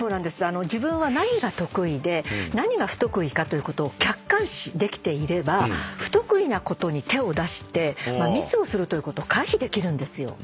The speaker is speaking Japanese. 自分は何が得意で何が不得意かということを客観視できていれば不得意なことに手を出してミスをするということを回避できるんですよ。